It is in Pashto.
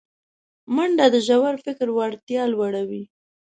منډه د ژور فکر وړتیا لوړوي